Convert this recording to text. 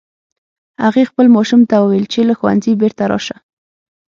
هغې خپل ماشوم ته وویل چې له ښوونځي بیرته راشه